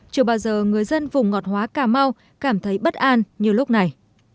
chưa bao giờ người dân vùng ngọt hóa cà mau cảm thấy bất an như lúc này